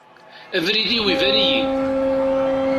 Abrid-iw iban-iyi.